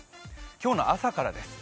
今日の朝からです。